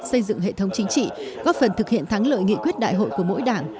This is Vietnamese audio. xây dựng hệ thống chính trị góp phần thực hiện thắng lợi nghị quyết đại hội của mỗi đảng